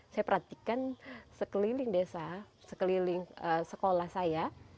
saya perhatikan sekeliling desa sekeliling sekolah saya